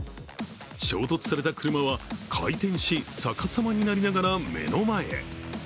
衝突された車は回転し、逆さまになりながら目の前へ。